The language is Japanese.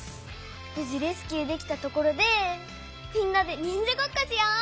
ぶじレスキューできたところでみんなでにんじゃごっこしよ！